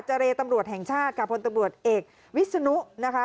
เจรตำรวจแห่งชาติกับพลตำรวจเอกวิศนุนะคะ